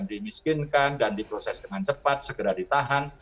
dimiskinkan dan diproses dengan cepat segera ditahan